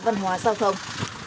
văn hóa giao thông